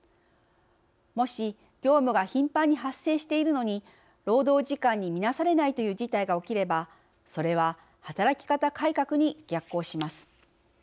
もし、業務が頻繁に発生しているのに労働時間に見なされないという事態が起きればそれは働き方改革に逆行します。